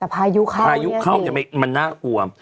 ปลายู้เข้ามันน่ากลัว